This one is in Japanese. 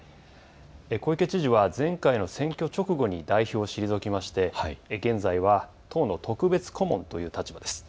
小池知事は前回の選挙直後に代表を退きまして現在は党の特別顧問という立場です。